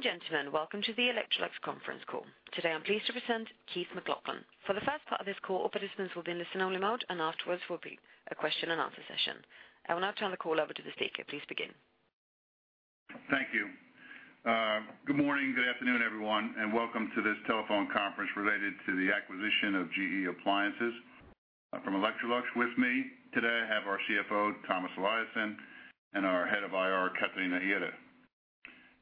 Ladies and gentlemen, welcome to the Electrolux conference call. Today, I'm pleased to present Keith McLoughlin. For the first part of this call, all participants will be in listen-only mode, and afterwards will be a question-and-answer session. I will now turn the call over to the speaker. Please begin. Thank you. Good morning, good afternoon, everyone, and welcome to this telephone conference related to the acquisition of GE Appliances. From Electrolux, with me today, I have our CFO, Tomas Eliasson, and our Head of IR, Catarina Ihre.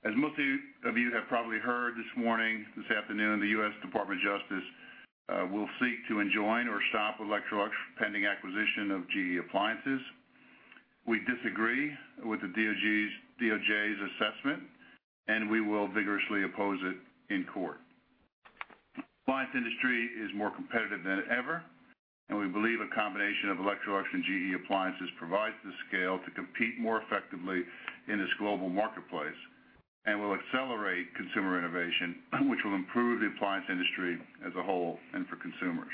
As most of you have probably heard this morning, this afternoon, the U.S. Department of Justice will seek to enjoin or stop Electrolux pending acquisition of GE Appliances. We disagree with the DOJ's assessment, and we will vigorously oppose it in court. Appliance industry is more competitive than ever, and we believe a combination of Electrolux and GE Appliances provides the scale to compete more effectively in this global marketplace and will accelerate consumer innovation, which will improve the appliance industry as a whole and for consumers.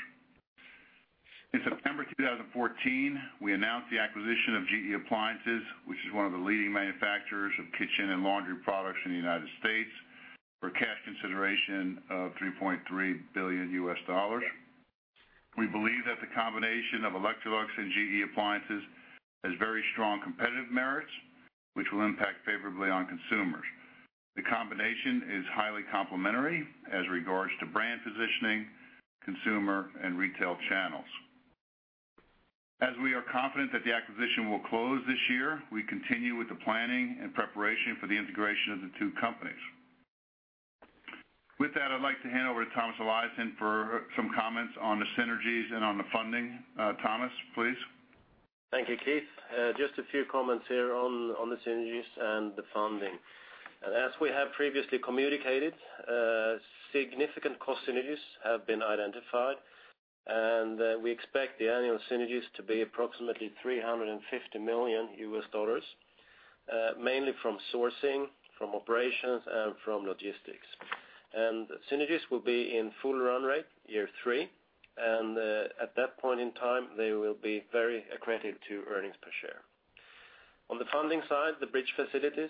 In September 2014, we announced the acquisition of GE Appliances, which is one of the leading manufacturers of kitchen and laundry products in the United States, for cash consideration of $3.3 billion. We believe that the combination of Electrolux and GE Appliances has very strong competitive merits, which will impact favorably on consumers. The combination is highly complementary as regards to brand positioning, consumer, and retail channels. As we are confident that the acquisition will close this year, we continue with the planning and preparation for the integration of the two companies. With that, I'd like to hand over to Tomas Eliasson for some comments on the synergies and on the funding. Tomas, please. Thank you, Keith. Just a few comments here on the synergies and the funding. As we have previously communicated, significant cost synergies have been identified, and we expect the annual synergies to be approximately $350 million, mainly from sourcing, from operations, and from logistics. Synergies will be in full run rate year three, and at that point in time, they will be very accretive to earnings per share. On the funding side, the bridge facilities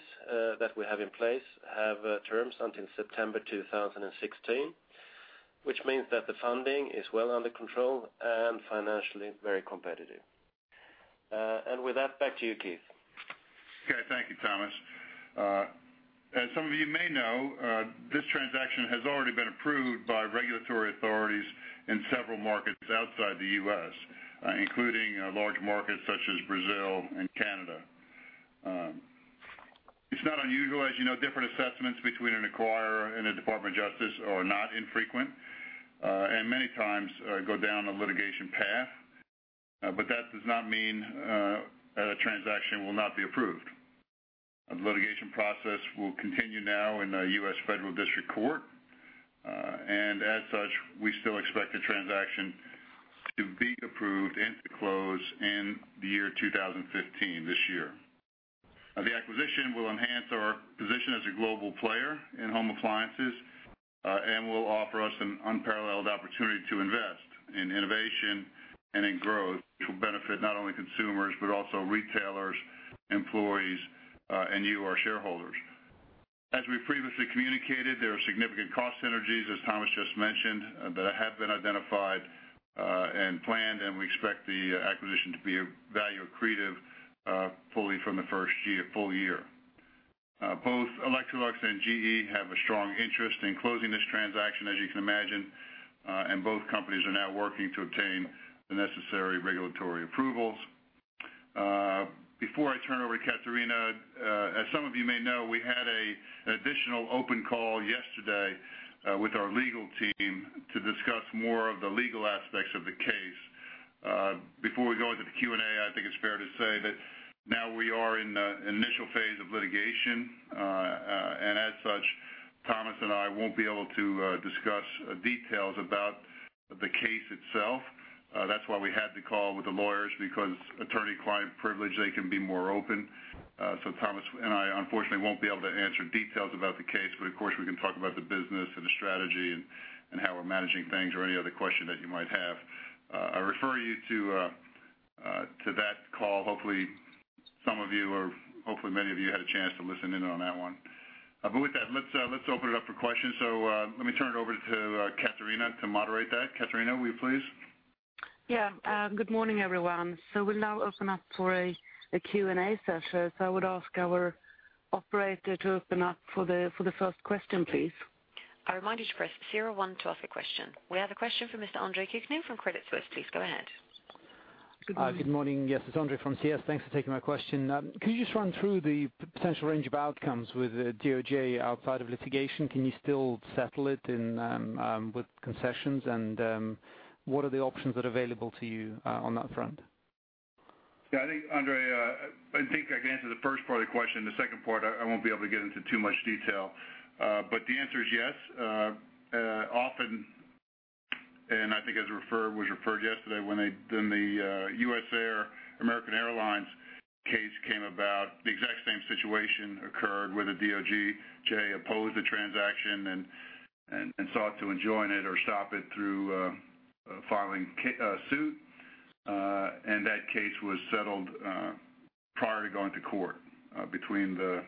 that we have in place have terms until September 2016, which means that the funding is well under control and financially very competitive. With that, back to you, Keith. Okay. Thank you, Tomas. As some of you may know, this transaction has already been approved by regulatory authorities in several markets outside the U.S., including large markets such as Brazil and Canada. It's not unusual, as you know, different assessments between an acquirer and the Department of Justice are not infrequent, and many times go down a litigation path, but that does not mean a transaction will not be approved. The litigation process will continue now in the United States District Court, and as such, we still expect the transaction to be approved and to close in the year 2015, this year. The acquisition will enhance our position as a global player in home appliances and will offer us an unparalleled opportunity to invest in innovation and in growth, to benefit not only consumers, but also retailers, employees, and you, our shareholders. As we previously communicated, there are significant cost synergies, as Tomas just mentioned, that have been identified and planned, and we expect the acquisition to be value accretive fully from the first full year. Both Electrolux and GE have a strong interest in closing this transaction, as you can imagine, and both companies are now working to obtain the necessary regulatory approvals. Before I turn over to Catarina, as some of you may know, we had an additional open call yesterday with our legal team to discuss more of the legal aspects of the case. Before we go into the Q&A, I think it's fair to say that now we are in the initial phase of litigation. As such, Thomas and I won't be able to discuss details about the case itself. That's why we had the call with the lawyers, because attorney-client privilege, they can be more open. Thomas and I, unfortunately, won't be able to answer details about the case, but, of course, we can talk about the business and the strategy and how we're managing things or any other question that you might have. I refer you to that call. Hopefully, some of you, or hopefully many of you had a chance to listen in on that one. With that, let's open it up for questions. Let me turn it over to Katarina to moderate that. Katarina, will you, please? Yeah. Good morning, everyone. We'll now open up for a Q&A session. I would ask our operator to open up for the first question, please. I remind you to press zero-one to ask a question. We have a question from Mr. Andre Helfenstein from Credit Suisse. Please go ahead. Hi, good morning. Yes, it's Andre from CS. Thanks for taking my question. Could you just run through the potential range of outcomes with the DOJ outside of litigation? Can you still settle it in with concessions? What are the options that are available to you on that front? Yeah, I think, Andre, I think I can answer the first part of the question. The second part, I won't be able to get into too much detail, but the answer is yes. Often, and I think as was referred yesterday when the US Airways, American Airlines case came about, the exact same situation occurred, where the DOJ opposed the transaction, and sought to enjoin it or stop it through filing suit. That case was settled prior to going to court between the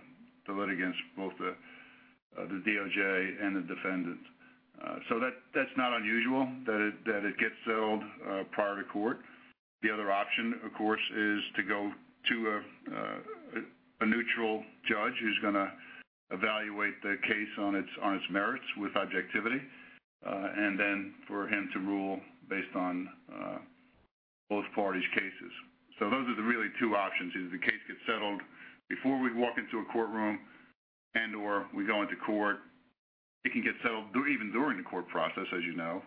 litigants, both the DOJ and the defendants. That, that's not unusual that it, that it gets settled prior to court. The other option, of course, is to go to a neutral judge who's gonna evaluate the case on its merits with objectivity, and then for him to rule based on both parties' cases. Those are the really two options, is the case gets settled before we walk into a courtroom, and/or we go into court. It can get settled even during the court process, as you know,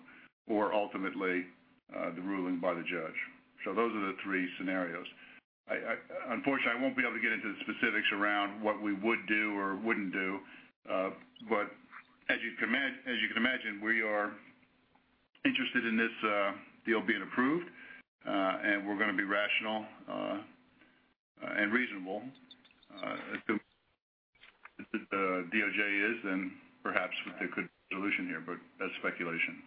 or ultimately, the ruling by the judge. Those are the three scenarios. I, unfortunately, I won't be able to get into the specifics around what we would do or wouldn't do. As you can imagine, we are interested in this deal being approved, and we're gonna be rational and reasonable as the DOJ is, perhaps they could solution here, that's speculation.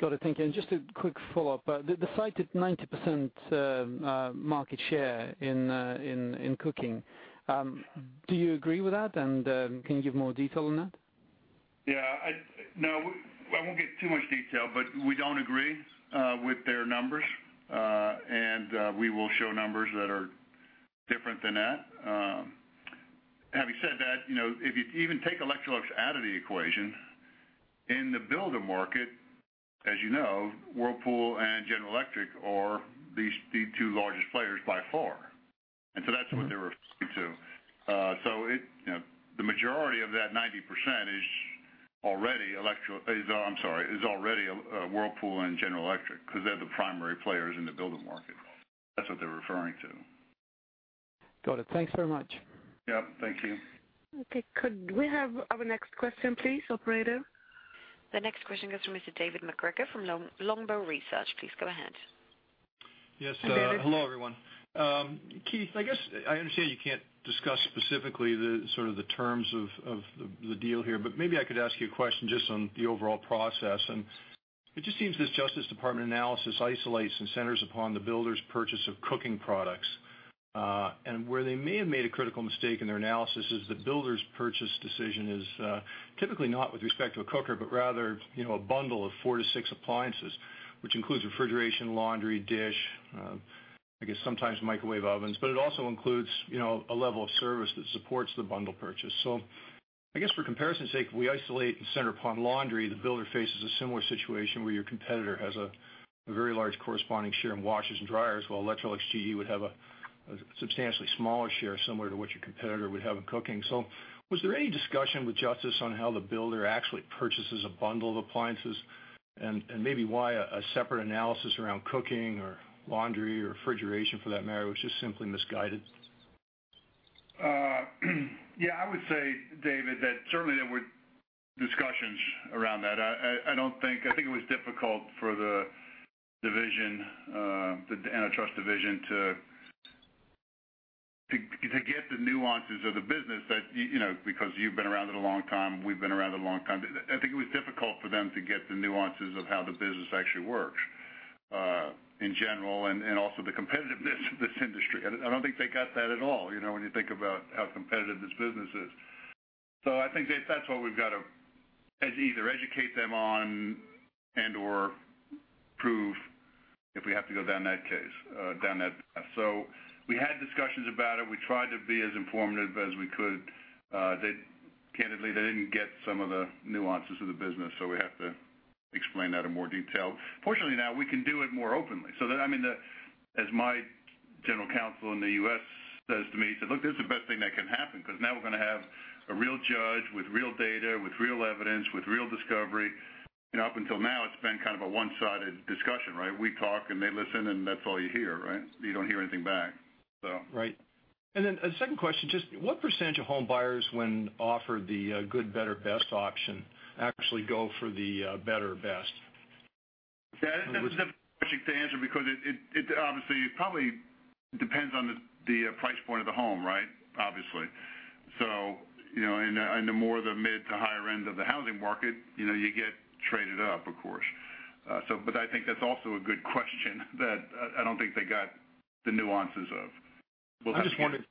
Got it. Thank you. Just a quick follow-up. The cited 90% market share in cooking, do you agree with that? Can you give more detail on that? No, I won't get too much detail, but we don't agree with their numbers. We will show numbers that are different than that. Having said that, you know, if you even take Electrolux out of the equation, in the builder market, as you know, Whirlpool and General Electric are the two largest players by far. That's what they were referring to. It, you know, the majority of that 90% is already Whirlpool and General Electric, 'cause they're the primary players in the builder market. That's what they're referring to. Got it. Thanks very much. Yep, thank you. Okay, could we have our next question, please, operator? The next question goes to Mr. David MacGregor from Longbow Research. Please go ahead. Yes. Hi, David. Hello, everyone. Keith, I guess I understand you can't discuss specifically the, sort of the terms of the deal here, but maybe I could ask you a question just on the overall process. It just seems this Justice Department analysis isolates and centers upon the builder's purchase of cooking products. Where they may have made a critical mistake in their analysis is the builder's purchase decision is typically not with respect to a cooker, but rather, you know, a bundle of four to six appliances, which includes refrigeration, laundry, dish, I guess sometimes microwave ovens, but it also includes, you know, a level of service that supports the bundle purchase. I guess for comparison's sake, we isolate and center upon laundry, the builder faces a similar situation where your competitor has a very large corresponding share in washers and dryers, while Electrolux GE would have a substantially smaller share, similar to what your competitor would have in cooking. Was there any discussion with Justice on how the builder actually purchases a bundle of appliances? And maybe why a separate analysis around cooking or laundry or refrigeration, for that matter, was just simply misguided? Yeah, I would say, David, that certainly there were discussions around that. I think it was difficult for the Division, the Antitrust Division to get the nuances of the business that, you know, because you've been around it a long time, we've been around it a long time. I think it was difficult for them to get the nuances of how the business actually works, in general, and also the competitiveness of this industry. I don't think they got that at all, you know, when you think about how competitive this business is. I think that that's what we've got to either educate them on and/or prove if we have to go down that case, down that path. We had discussions about it. We tried to be as informative as we could. Candidly, they didn't get some of the nuances of the business, so we have to explain that in more detail. Fortunately, now we can do it more openly. I mean, As my general counsel in the U.S. says to me, he said: "Look, this is the best thing that can happen, because now we're gonna have a real judge with real data, with real evidence, with real discovery." You know, up until now, it's been kind of a one-sided discussion, right? We talk, and they listen, and that's all you hear, right? You don't hear anything back, so. Right. Then a second question, just what % of home buyers, when offered the, good, better, best option, actually go for the, better or best? That is a difficult question to answer because it obviously, probably depends on the price point of the home, right? Obviously. You know, in the more the mid to higher end of the housing market, you know, you get traded up, of course. I think that's also a good question that I don't think they got the nuances of. I'm just wondering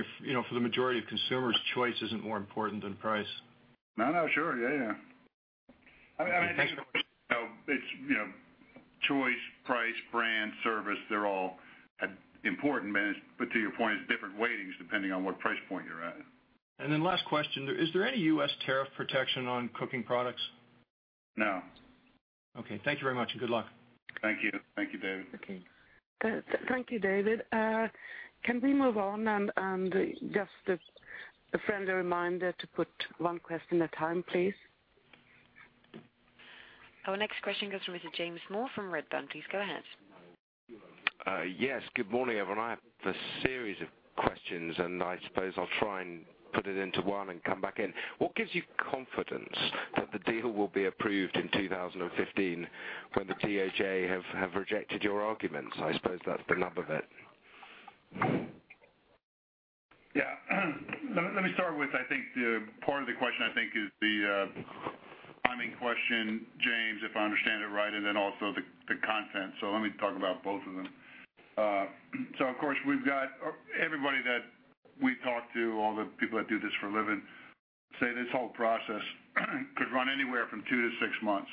if, you know, for the majority of consumers, choice isn't more important than price. No, no, sure. Yeah, yeah. I think, you know, it's, you know, choice, price, brand, service, they're all important, but to your point, it's different weightings depending on what price point you're at. Last question, is there any U.S. tariff protection on cooking products? No. Okay. Thank you very much, and good luck. Thank you. Thank you, David. Okay. Thank you, David. Can we move on? Just a friendly reminder to put one question at a time, please. Our next question goes to Mr. James Moore from Redburn. Please go ahead. Yes, good morning, everyone. I have a series of questions, and I suppose I'll try and put it into one and come back in. What gives you confidence that the deal will be approved in 2015, when the DOJ have rejected your arguments? I suppose that's the nub of it.... Yeah, let me, let me start with, I think, the part of the question, I think, is the timing question, James, if I understand it right, and then also the content. Let me talk about both of them. Of course, we've got everybody that we talk to, all the people that do this for a living, say this whole process could run anywhere from 2 to 6 months.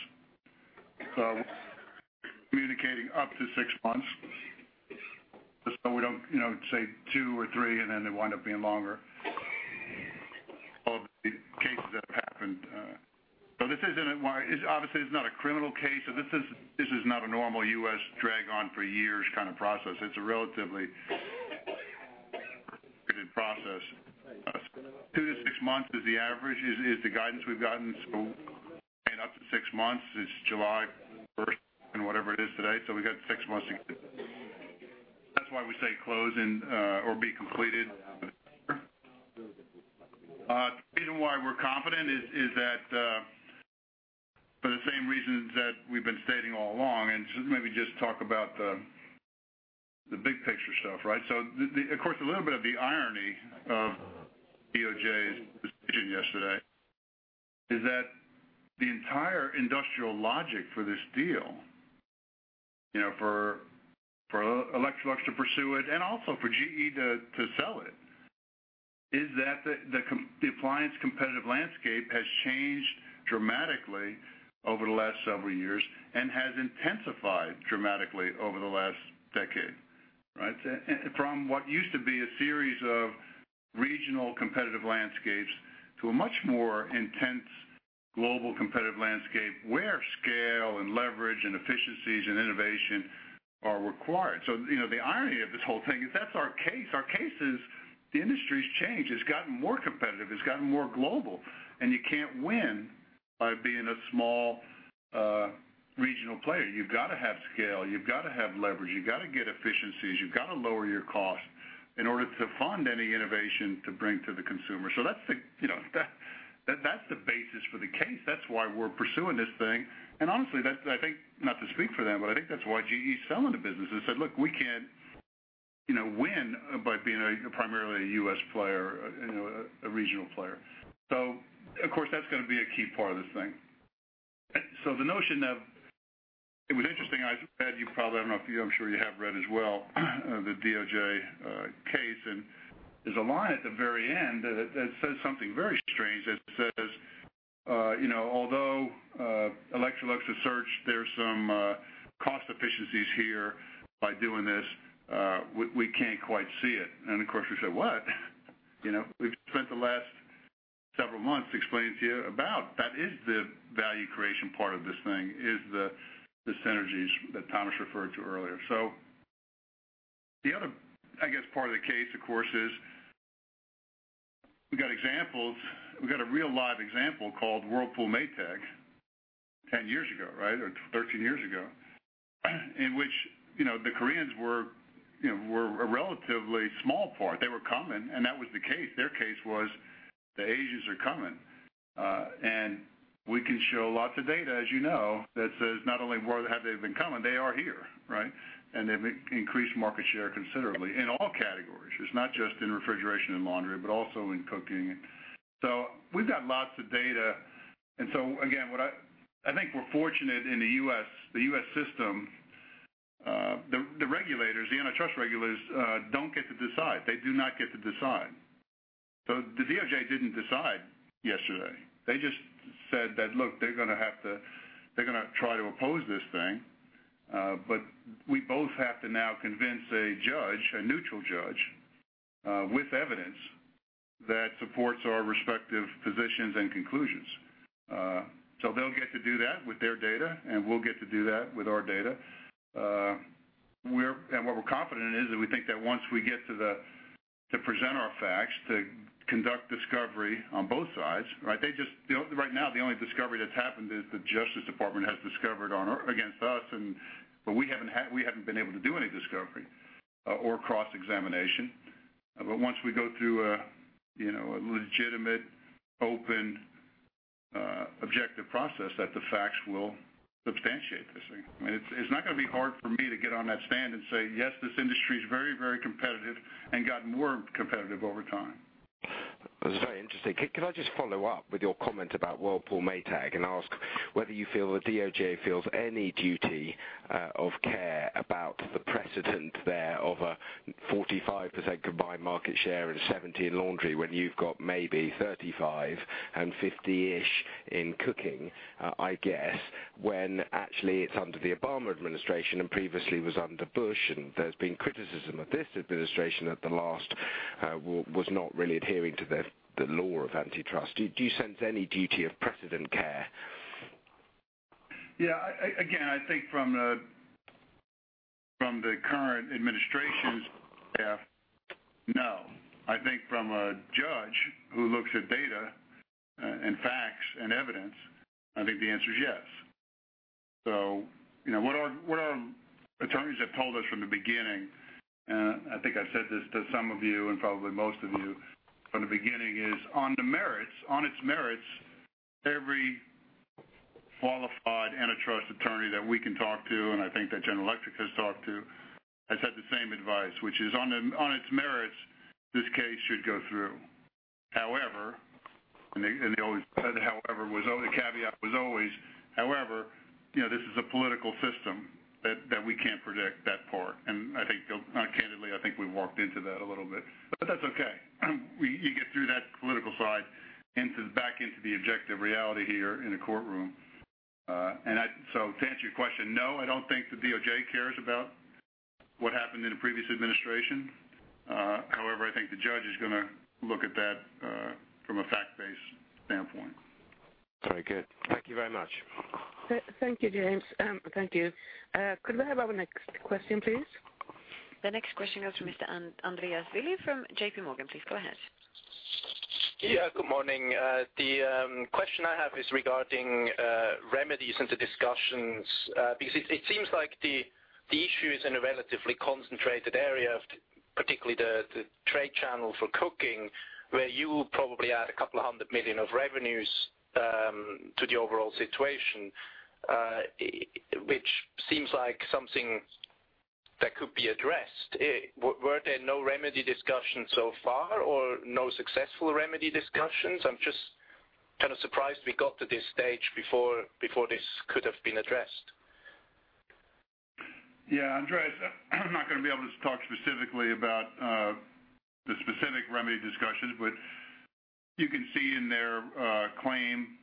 Communicating up to 6 months, just so we don't, you know, say 2 or 3, and then they wind up being longer. All the cases that have happened, obviously, it's not a criminal case, this is not a normal U.S. drag on for years kind of process. It's a relatively process. 2 to 6 months is the average, is the guidance we've gotten. Up to six months, it's July 1st and whatever it is today, we've got six months to get. That's why we say close and, or be completed. The reason why we're confident is that, for the same reasons that we've been stating all along, maybe just talk about the big picture stuff, right? The, of course, a little bit of the irony of DOJ's decision yesterday is that the entire industrial logic for this deal, you know, for Electrolux to pursue it and also for GE to sell it, is that the appliance competitive landscape has changed dramatically over the last several years and has intensified dramatically over the last decade, right? From what used to be a series of regional competitive landscapes to a much more intense global competitive landscape, where scale and leverage and efficiencies and innovation are required. You know, the irony of this whole thing is that's our case. Our case is, the industry's changed. It's gotten more competitive, it's gotten more global, and you can't win by being a small, regional player. You've got to have scale, you've got to have leverage, you've got to get efficiencies, you've got to lower your cost in order to fund any innovation to bring to the consumer. That's the, you know, that's the basis for the case. That's why we're pursuing this thing. Honestly, that's, I think, not to speak for them, but I think that's why GE is selling the business and said: Look, we can't, you know, win by being a primarily a U.S. player, you know, a regional player. Of course, that's gonna be a key part of this thing. The notion of... It was interesting, I read, you probably, I don't know if you I'm sure you have read as well, the DOJ case, and there's a line at the very end that says something very strange. That says, you know, "Although, Electrolux has searched, there are some cost efficiencies here by doing this, we can't quite see it." Of course, we said, "What?" You know, we've spent the last several months explaining to you about that is the value creation part of this thing, is the synergies that Thomas referred to earlier. The other, I guess, part of the case, of course, is we've got examples. We've got a real live example called Whirlpool-Maytag, 10 years ago, right? 13 years ago, in which, you know, the Koreans were, you know, a relatively small part. They were coming, and that was the case. Their case was, the Asians are coming. We can show lots of data, as you know, that says not only where have they been coming, they are here, right? They've increased market share considerably in all categories. It's not just in refrigeration and laundry, but also in cooking. We've got lots of data. Again, what I think we're fortunate in the U.S., the U.S. system, the regulators, the antitrust regulators don't get to decide. They do not get to decide. The DOJ didn't decide yesterday. They just said that, look, they're gonna have to try to oppose this thing, but we both have to now convince a judge, a neutral judge with evidence that supports our respective positions and conclusions. They'll get to do that with their data, and we'll get to do that with our data. What we're confident in is that we think that once we get to present our facts, to conduct discovery on both sides, right? They just right now, the only discovery that's happened is the Justice Department has discovered on, against us. We haven't been able to do any discovery, or cross-examination. Once we go through a, you know, a legitimate, open, objective process, that the facts will substantiate this thing. I mean, it's not gonna be hard for me to get on that stand and say, "Yes, this industry is very, very competitive and gotten more competitive over time. It's very interesting. Can I just follow up with your comment about Whirlpool-Maytag and ask whether you feel the DOJ feels any duty of care about the precedent there of a 45% combined market share and 70% in laundry, when you've got maybe 35% and 50%-ish in cooking, I guess, when actually it's under the Obama administration and previously was under Bush, and there's been criticism of this administration that the last was not really adhering to the law of antitrust. Do you sense any duty of precedent care? Yeah, again, I think from the, from the current administration's staff, no. I think from a judge who looks at data, and facts and evidence, I think the answer is yes. You know, what our attorneys have told us from the beginning, I think I've said this to some of you and probably most of you from the beginning, is on the merits, on its merits, every qualified that we can talk to, and I think that General Electric has talked to, has had the same advice, which is on its merits, this case should go through. However, and they always said however, caveat was always, however, you know, this is a political system that we can't predict that part. I think, candidly, I think we've walked into that a little bit, but that's okay. You get through that political side into the back into the objective reality here in a courtroom. To answer your question, no, I don't think the DOJ cares about what happened in a previous administration. However, I think the judge is gonna look at that from a fact-based standpoint. Very good. Thank you very much. Thank you, James. Thank you. Could I have our next question, please? The next question goes to Mr. Andreas Michalitsianos from JPMorgan. Please go ahead. Good morning. The question I have is regarding remedies and the discussions, because it seems like the issue is in a relatively concentrated area, particularly the trade channel for cooking, where you probably add $200 million of revenues to the overall situation, which seems like something that could be addressed. Were there no remedy discussions so far or no successful remedy discussions? I'm just kind of surprised we got to this stage before this could have been addressed. Yeah, Andreas, I'm not gonna be able to talk specifically about the specific remedy discussions, but you can see in their claim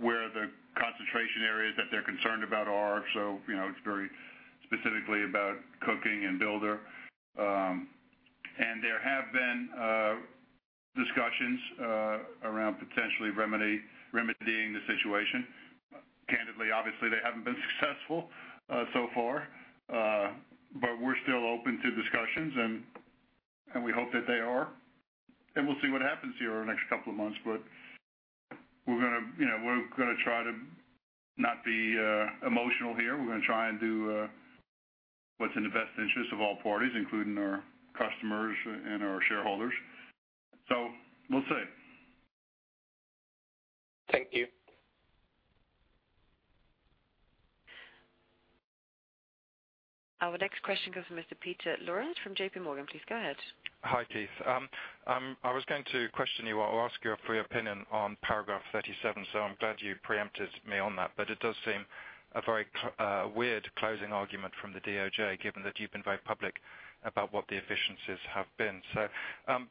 where the concentration areas that they're concerned about are. You know, it's very specifically about cooking and builder. There have been discussions around potentially remedying the situation. Candidly, obviously, they haven't been successful so far. We're still open to discussions, and we hope that they are. We'll see what happens here over the next couple of months, but we're gonna, you know, we're gonna try to not be emotional here. We're gonna try and do what's in the best interest of all parties, including our customers and our shareholders. We'll see. Thank you. Our next question goes to Mr. Peter Lawrence from JP Morgan. Please go ahead. Hi, Keith. I was going to question you or ask your opinion on paragraph 37, so I'm glad you preempted me on that. It does seem a very weird closing argument from the DOJ, given that you've been very public about what the efficiencies have been.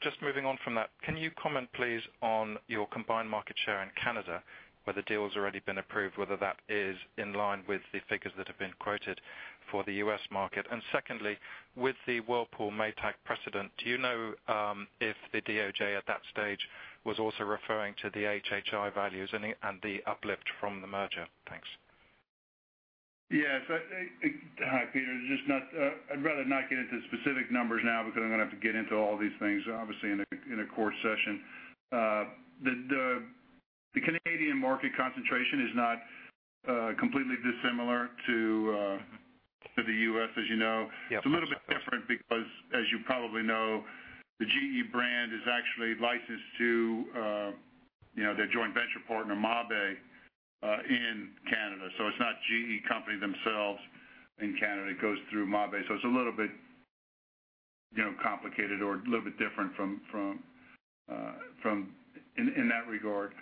Just moving on from that, can you comment, please, on your combined market share in Canada, where the deal has already been approved, whether that is in line with the figures that have been quoted for the U.S. market? Secondly, with the Whirlpool/Maytag precedent, do you know if the DOJ at that stage was also referring to the HHI values and the uplift from the merger? Thanks. Yes, I. Hi, Peter. Just not, I'd rather not get into specific numbers now because I'm gonna have to get into all these things, obviously, in a court session. The Canadian market concentration is not completely dissimilar to the U.S., as you know. Yep. It's a little bit different because, as you probably know, the GE brand is actually licensed to, you know, their joint venture partner, Mabe, in Canada. It's not GE company themselves in Canada. It goes through Mabe. It's a little bit, you know, complicated or a little bit different from in that regard.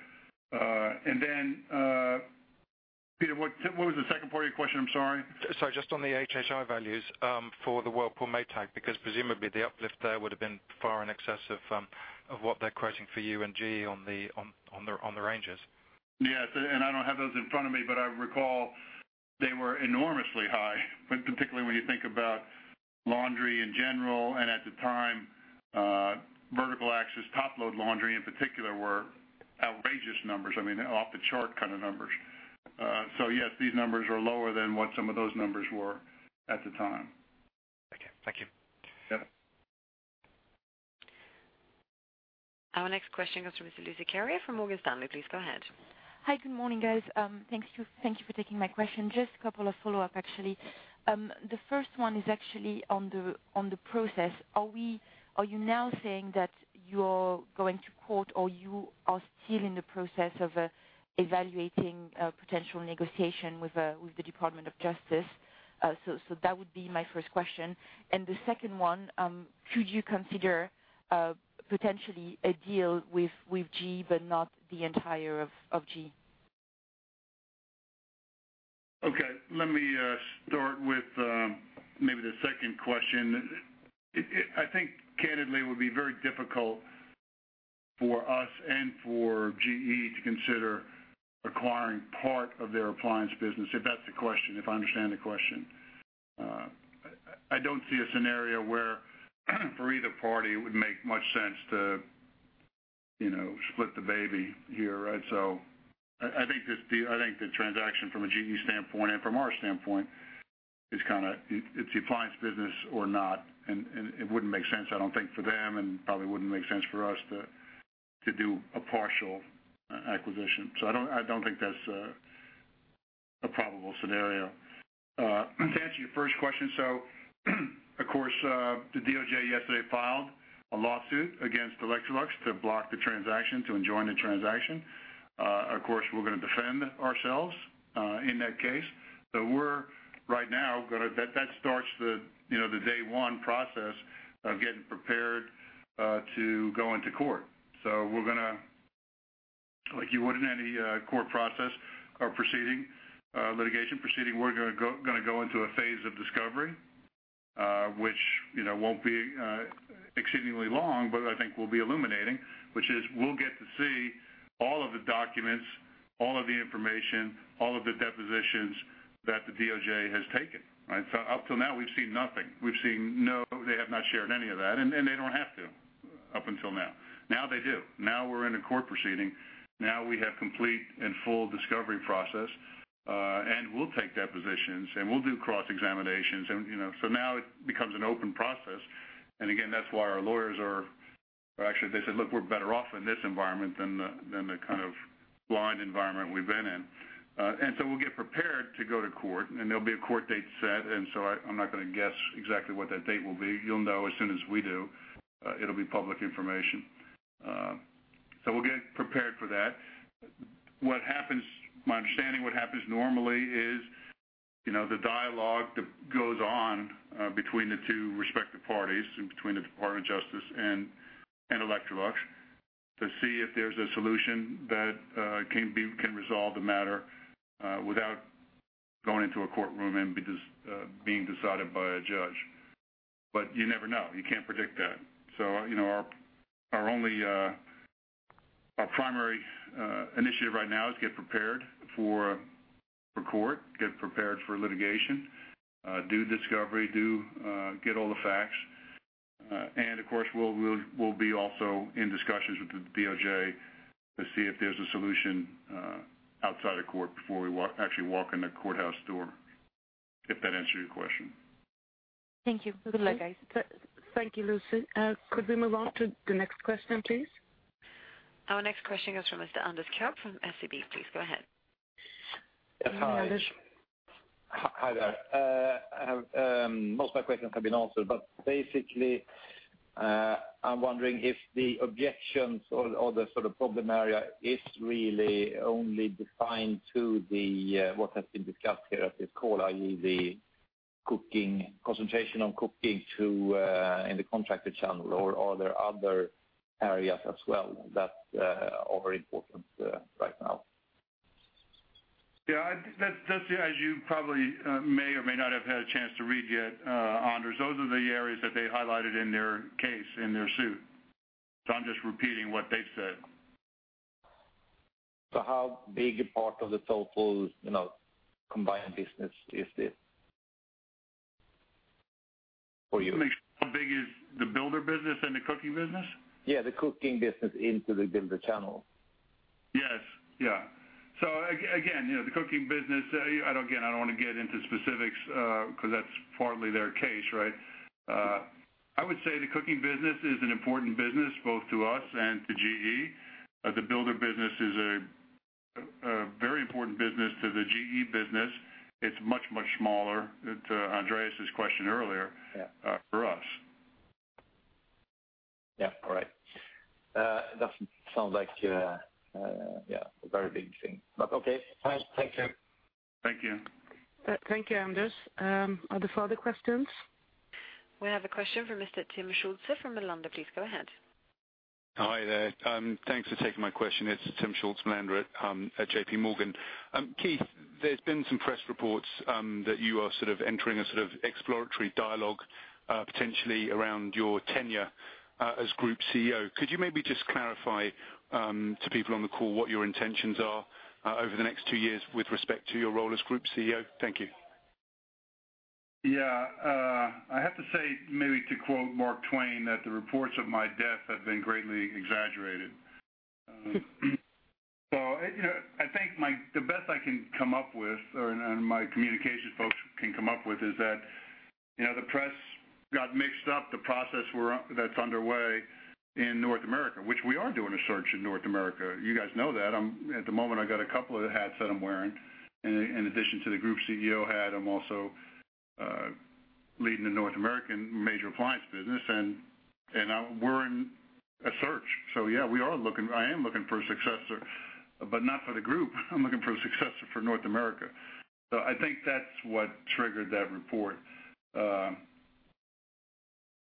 Peter, what was the second part of your question? I'm sorry. Sorry, just on the HHI values, for the Whirlpool/Maytag, because presumably the uplift there would have been far in excess of what they're quoting for you and GE on the ranges. Yes, I don't have those in front of me, but I recall they were enormously high, when particularly when you think about laundry in general, and at the time, vertical axis, top-load laundry in particular, were outrageous numbers, I mean, off the chart kind of numbers. Yes, these numbers are lower than what some of those numbers were at the time. Okay. Thank you. Yep. Our next question goes to Lucie Carrier from Morgan Stanley. Please go ahead. Hi, good morning, guys. Thank you. Thank you for taking my question. Just a couple of follow-up, actually. The first one is actually on the process. Are you now saying that you're going to court, or you are still in the process of evaluating potential negotiation with the Department of Justice? That would be my first question. The second one, should you consider potentially a deal with GE, but not the entire of GE? Okay, let me start with maybe the second question. I think, candidly, it would be very difficult for us and for GE to consider acquiring part of their appliance business, if that's the question, if I understand the question. I don't see a scenario where, for either party, it would make much sense to, you know, split the baby here, right? I think the transaction from a GE standpoint and from our standpoint is kind of, it's the appliance business or not, and it wouldn't make sense, I don't think, for them, and probably wouldn't make sense for us to do a partial acquisition. I don't think that's a probable scenario. To answer your first question. Of course, the DOJ yesterday filed a lawsuit against Electrolux to block the transaction, to enjoin the transaction. Of course, we're gonna defend ourselves in that case. We're right now that starts the, you know, the day 1 process of getting prepared to go into court. We're gonna, like you would in any court process or proceeding, litigation proceeding, we're gonna go into a phase of discovery, which, you know, won't be exceedingly long, but I think will be illuminating. Which is we'll get to see all of the documents, all of the information, all of the depositions that the DOJ has taken, right? Up till now, we've seen nothing. We've seen they have not shared any of that, and they don't have to, up until now. They do. We're in a court proceeding. We have complete and full discovery process, and we'll take depositions, and we'll do cross-examinations, you know. Now it becomes an open process, and again, that's why our lawyers actually, they said, "Look, we're better off in this environment than the kind of blind environment we've been in." We'll get prepared to go to court, and there'll be a court date set, and so I'm not gonna guess exactly what that date will be. You'll know as soon as we do. It'll be public information. We'll get prepared for that. What happens... My understanding, what happens normally is, you know, the dialogue that goes on between the two respective parties, and between the Department of Justice and Electrolux, to see if there's a solution that can resolve the matter without going into a courtroom and being decided by a judge. You never know. You can't predict that. You know, our only, our primary initiative right now is get prepared for court, get prepared for litigation, do discovery, get all the facts. Of course, we'll be also in discussions with the DOJ to see if there's a solution outside of court before we actually walk in the courthouse door, if that answers your question. Thank you. Good luck, guys. Thank you, Lucie. Could we move on to the next question, please? Our next question is from Mr. Anders Kärre from SEB. Please go ahead. Hi, Anders. Hi there. I have most of my questions have been answered, but basically, I'm wondering if the objections or the sort of problem area is really only defined to the what has been discussed here at this call, i.e., the cooking, concentration on cooking to in the contracted channel, or are there other areas as well that are very important right now? Yeah, I'd. That's, as you probably may or may not have had a chance to read yet, Anders, those are the areas that they highlighted in their case, in their suit. I'm just repeating what they said. how big a part of the total, you know, combined business is this for you? How big is the builder business and the cooking business? Yeah, the cooking business into the builder channel. Yes. Yeah. Again, you know, the cooking business, I don't, again, I don't want to get into specifics, 'cause that's partly their case, right? I would say the cooking business is an important business both to us and to GE. The builder business is a very important business to the GE business. It's much, much smaller, to Andreas' question earlier. Yeah... for us. Yeah, all right. That sounds like, yeah, a very big thing. Okay, fine. Thank you. Thank you. Thank you, Anders. Are there further questions? We have a question from Mr. Tim Schuldt from Mirabaud. Please go ahead. Hi there. Thanks for taking my question. It's Tim Schuldt from Mirabaud, at JPMorgan. Keith, there's been some press reports that you are sort of entering a sort of exploratory dialogue, potentially around your tenure, as group CEO. Could you maybe just clarify to people on the call what your intentions are over the next 2 years with respect to your role as group CEO? Thank you. Yeah, I have to say, maybe to quote Mark Twain, that the reports of my death have been greatly exaggerated. you know, I think the best I can come up with, or, and my communications folks can come up with, is that, you know, the press got mixed up the process that's underway in North America, which we are doing a search in North America. You guys know that. At the moment, I got a couple of the hats that I'm wearing. In addition to the group CEO hat, I'm also leading the North American major appliance business, and we're in a search. Yeah, we are looking, I am looking for a successor, but not for the group. I'm looking for a successor for North America. I think that's what triggered that report.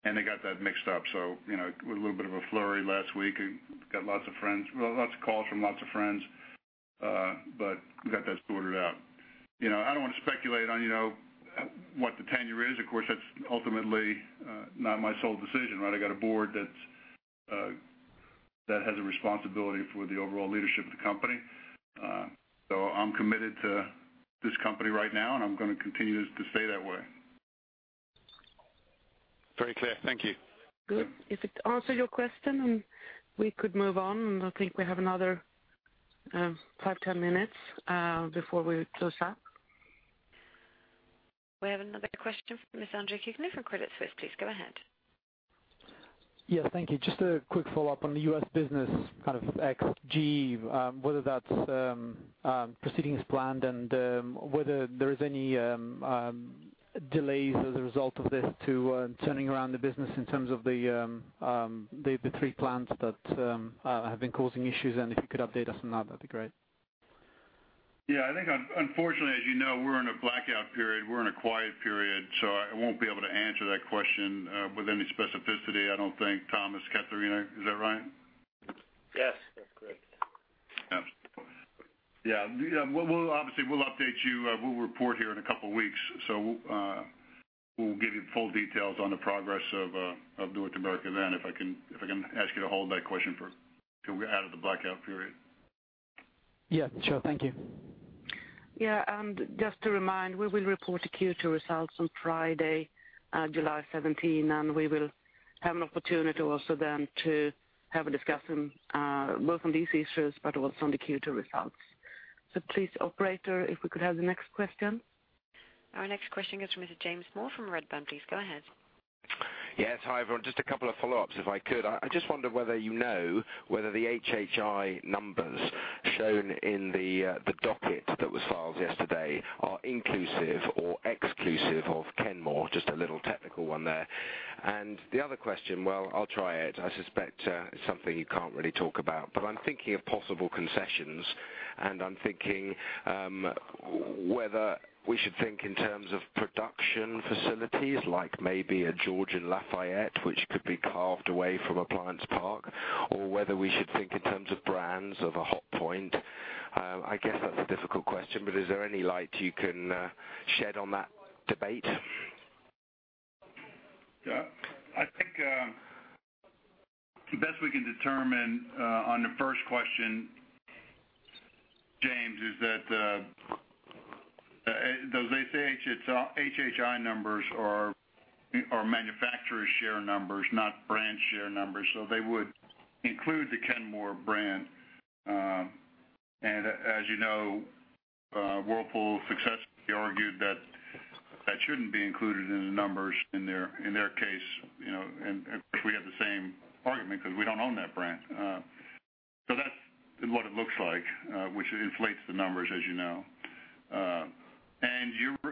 They got that mixed up, so, you know, a little bit of a flurry last week. I got lots of friends, well, lots of calls from lots of friends, but we got that sorted out. You know, I don't want to speculate on, you know, what the tenure is. Of course, that's ultimately, not my sole decision, right? I got a board that's, that has a responsibility for the overall leadership of the company. I'm committed to this company right now, and I'm gonna continue to stay that way. Very clear. Thank you. Good. If it answered your question, then we could move on, and I think we have another, 5, 10 minutes, before we close up. We have another question from Ms. Andreas Willi from Credit Suisse. Please go ahead.... Yes, thank you. Just a quick follow-up on the U.S. business, kind of XG, whether that's proceeding as planned and whether there is any delays as a result of this to turning around the business in terms of the three plants that have been causing issues, and if you could update us on that'd be great. Yeah, I think unfortunately, as you know, we're in a blackout period. We're in a quiet period, I won't be able to answer that question with any specificity, I don't think. Tomas, Catarina, is that right? Yes, that's correct. Yes. Yeah, we'll obviously, we'll update you. We'll report here in a couple of weeks. We'll give you full details on the progress of North America then, if I can ask you to hold that question for till we're out of the blackout period. Yeah, sure. Thank you. Yeah, just to remind, we will report the Q2 results on Friday, July 17, and we will have an opportunity also then to have a discussion, both on these issues, but also on the Q2 results. Please, operator, if we could have the next question. Our next question is from Mr. James Moore from Redburn. Please go ahead. Yes. Hi, everyone. Just a couple of follow-ups, if I could. I just wonder whether you know, whether the HHI numbers shown in the docket that was filed yesterday are inclusive or exclusive of Kenmore? Just a little technical one there. The other question, well, I'll try it. I suspect it's something you can't really talk about, but I'm thinking of possible concessions, and I'm thinking whether we should think in terms of production facilities, like maybe a LaFayette, Georgia, which could be carved away from Appliance Park, or whether we should think in terms of brands of a Hotpoint. I guess that's a difficult question, but is there any light you can shed on that debate? Yeah. I think, the best we can determine, on the first question, James, is that those HHI numbers are manufacturer share numbers, not brand share numbers, so they would include the Kenmore brand. As you know, Whirlpool successfully argued that that shouldn't be included in the numbers in their case, you know, and of course, we have the same argument because we don't own that brand. That's what it looks like, which inflates the numbers, as you know.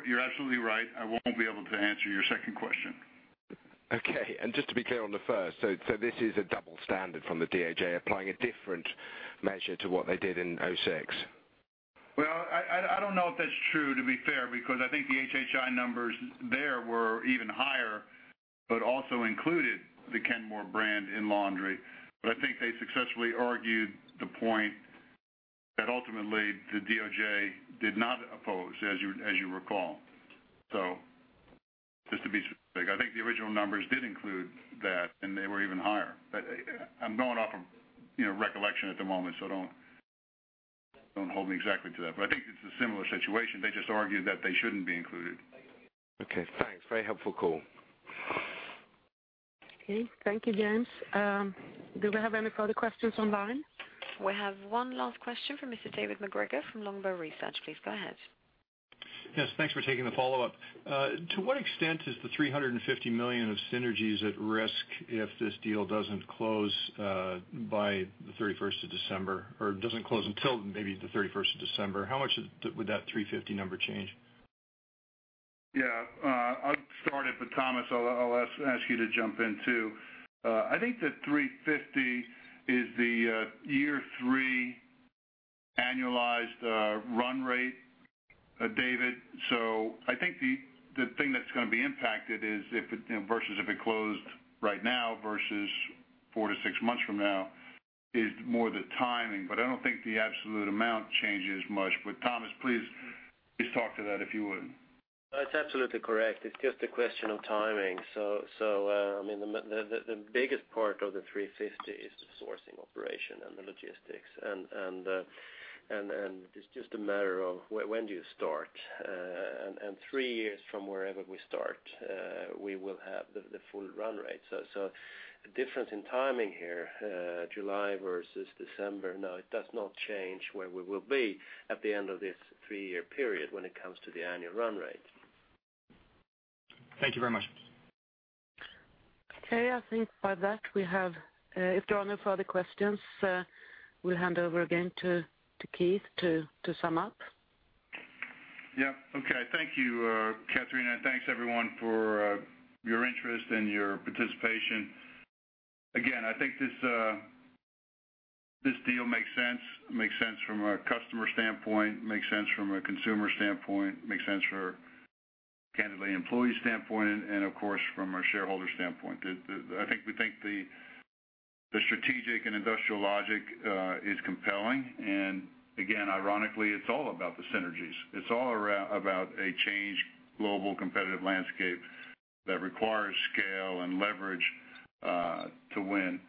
You're absolutely right, I won't be able to answer your second question. Okay. Just to be clear on the first, so this is a double standard from the DOJ, applying a different measure to what they did in 2006. I don't know if that's true, to be fair, because I think the HHI numbers there were even higher, also included the Kenmore brand in laundry. I think they successfully argued the point that ultimately the DOJ did not oppose, as you recall. Just to be sure, I think the original numbers did include that, and they were even higher. I'm going off of, you know, recollection at the moment, so don't hold me exactly to that. I think it's a similar situation. They just argued that they shouldn't be included. Okay, thanks. Very helpful call. Okay. Thank you, James. Do we have any further questions online? We have one last question from Mr. David MacGregor from Longbow Research. Please go ahead. Yes, thanks for taking the follow-up. To what extent is the 350 million of synergies at risk if this deal doesn't close, by the 31st of December, or doesn't close until maybe the 31st of December? How much would that 350 number change? Yeah, I'll start it. Tomas, I'll ask you to jump in, too. I think the 350 is the year 3 annualized run rate, David. I think the thing that's gonna be impacted is if it, you know, versus if it closed right now versus 4-6 months from now, is more the timing. I don't think the absolute amount changes much. Tomas, please talk to that, if you would. That's absolutely correct. It's just a question of timing. I mean, the biggest part of the 350 is the sourcing operation and the logistics, and it's just a matter of when do you start? Three years from wherever we start, we will have the full run rate. The difference in timing here, July versus December, no, it does not change where we will be at the end of this three-year period when it comes to the annual run rate. Thank you very much. I think by that we have. If there are no further questions, we'll hand over again to Keith to sum up. Yeah. Okay. Thank you, Catarina. Thanks, everyone, for your interest and your participation. I think this deal makes sense. Makes sense from a customer standpoint, makes sense from a consumer standpoint, makes sense for, candidly, employee standpoint, and of course, from a shareholder standpoint. I think, we think the strategic and industrial logic is compelling, ironically, it's all about the synergies. It's all about a changed global competitive landscape that requires scale and leverage to win.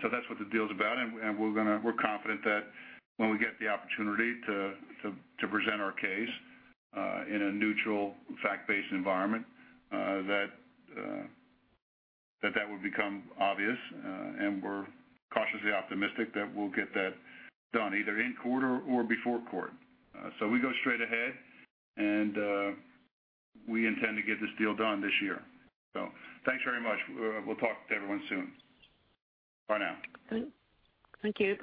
That's what the deal is about, we're confident that when we get the opportunity to present our case in a neutral, fact-based environment, that would become obvious, and we're cautiously optimistic that we'll get that done either in court or before court. We go straight ahead, and we intend to get this deal done this year. Thanks very much. We'll talk to everyone soon. Bye now. Thank you.